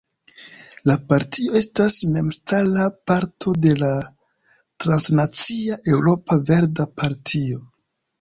La partio estas memstara parto de la transnacia Eŭropa Verda Partio.